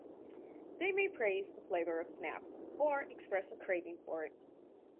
They may praise the flavour of snaps or express a craving for it.